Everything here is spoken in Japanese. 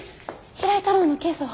平井太郎の検査は。